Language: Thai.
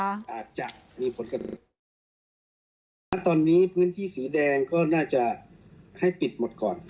ตอนนี้พื้นที่สีแดงก็น่าจะให้ปิดหมดก่อน